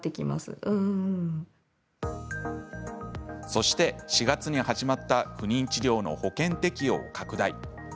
そして４月に始まった不妊治療の保険適用拡大。